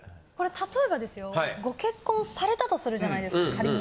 例えばですよご結婚されたとするじゃないですか仮に。